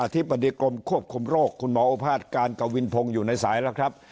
ธิบดีกรมควบคุมโรคคุณหมอโอภาษการกวินพงศ์อยู่ในสายแล้วครับ